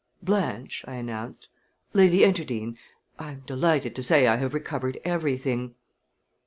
"Blanche," I announced "Lady Enterdean I am delighted to say I have recovered everything."